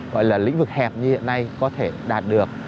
gọi là lĩnh vực hẹp như hiện nay có thể đạt được